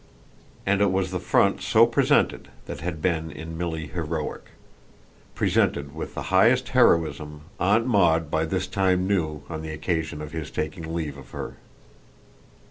And it was the front so presented that had been, in Milly, heroic; presented with the highest heroism, Aunt Maud by this time knew, on the occasion of his taking leave of her.